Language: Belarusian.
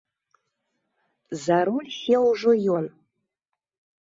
За руль сеў ужо ён.